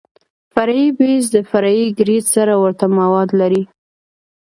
فرعي بیس د فرعي ګریډ سره ورته مواد لري